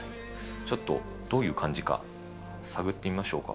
ちょっとどういう感じか、探ってみましょうか。